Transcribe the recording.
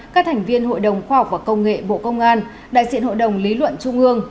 các thành viên hội đồng khoa học và công nghệ bộ công an đại diện hội đồng lý luận trung ương